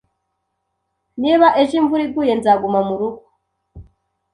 Niba ejo imvura iguye, nzaguma murugo.